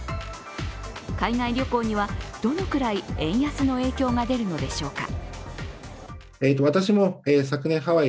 海外旅行には、どのくらい円安の影響が出るのでしょうか。